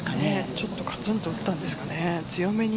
ちょっとかつんと打ったんですかね。